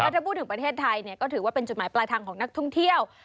ถ้าพูดถึงประเทศไทยก็ถือว่าเป็นจุดหมายปลายทางของนักท่องเที่ยว